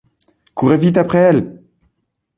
Courez vite après elle!